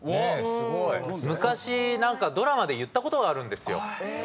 昔何かドラマで言ったことがあるんですよ。